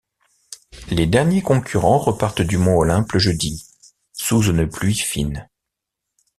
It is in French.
Les derniers concurrents repartent du Mont Olympe le jeudi, sous une pluie fine.